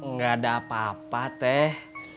nggak ada apa apa teh